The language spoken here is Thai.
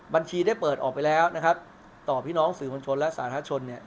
บัญชีได้เปิดออกไปแล้วนะครับต่อพี่น้องสื่อมวลชนและสาธารณชนเนี่ย